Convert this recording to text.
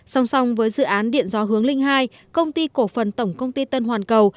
song song với dự án điện gió hướng linh hai công ty cổ phần tổng công ty tân hoàn cầu